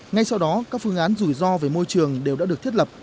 ngay sau đó các phương án rủi ro về môi trường đều đã được thiết lập